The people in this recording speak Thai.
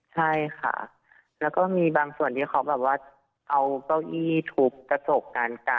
ใช่ค่ะแล้วก็มีบางส่วนที่เขาแบบว่าเอาเก้าอี้ทุบกระจกกัน